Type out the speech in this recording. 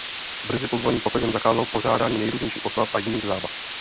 Brzy po zvolení papežem zakázal pořádání nejrůznějších oslav a jiných zábav.